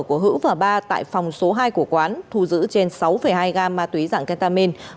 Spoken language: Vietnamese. của hữu và ba tại phòng số hai của quán thu giữ trên sáu hai gam ma túy dạng ketamin